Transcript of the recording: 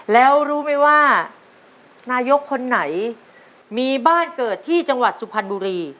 แล้วรู้ไหมว่านายกคนไหนมีบ้านเกิดที่จังหวัดสุพรรณบุรี